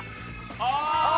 ああ。